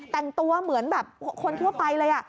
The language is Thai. แต่งตัวเหมือนแบบคนทั่วไปเลย